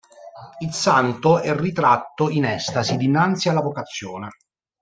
Il santo è ritratto in estasi dinanzi alla vocazione.